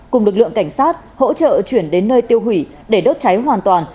cùng lực lượng cảnh sát hỗ trợ chuyển đến nơi tiêu hủy để đốt cháy hoàn toàn